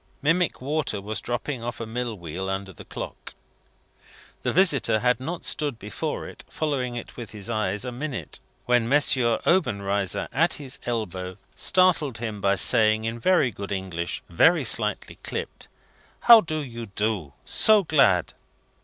Mimic water was dropping off a mill wheel under the clock. The visitor had not stood before it, following it with his eyes, a minute, when M. Obenreizer, at his elbow, startled him by saying, in very good English, very slightly clipped: "How do you do? So glad!"